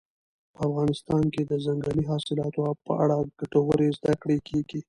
په افغانستان کې د ځنګلي حاصلاتو په اړه ګټورې زده کړې کېږي.